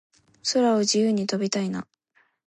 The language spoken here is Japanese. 空を自由に飛びたいな